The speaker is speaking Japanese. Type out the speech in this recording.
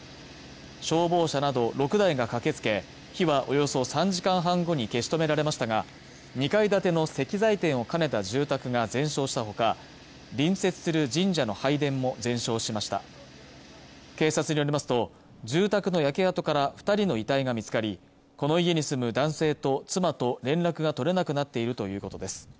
消防車など６台が駆けつけ火はおよそ３時間半後に消し止められましたが２階建ての石材店を兼ねた住宅が全焼したほか隣接する神社の拝殿も全焼しました警察によりますと住宅の焼け跡から二人の遺体が見つかりこの家に住む男性と妻と連絡が取れなくなっているということです